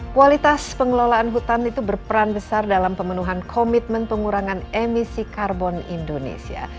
kualitas pengelolaan hutan itu berperan besar dalam pemenuhan komitmen pengurangan emisi karbon indonesia